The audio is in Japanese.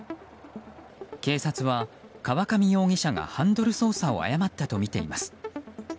警察は川上容疑者がハンドル操作を誤ったとみています。